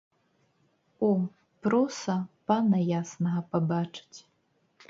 О, проса пана яснага пабачыць.